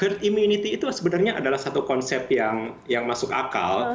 herd immunity itu sebenarnya adalah satu konsep yang masuk akal